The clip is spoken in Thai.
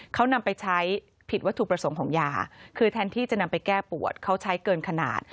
เขานำไปใช้ผิดวัตถุประสงค์ของยาคือแทนที่จะนำไปแก้ปวดเขาใช้เกินขนาด